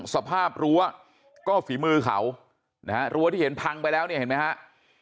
สภาพรั้วก็ฝีมือเขารั้วที่เห็นพังไปแล้วเนี่ยเห็นมั้ยครับ